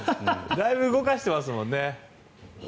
だいぶ動かしてますもんね。